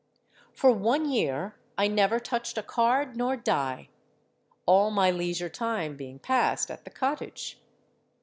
For one year I never touched a card nor die, all my leisure time being passed at the cottage.